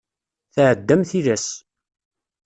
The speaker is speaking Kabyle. Tɛeddam tilas.